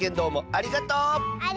ありがとう！